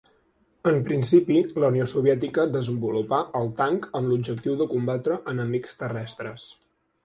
En principi, la Unió Soviètica desenvolupà el tanc amb l'objectiu de combatre enemics terrestres.